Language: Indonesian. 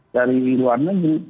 dari luar negeri